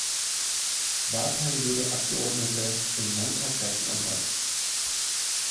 Wahlperiode Abgeordnete im Landtag Sachsen-Anhalt.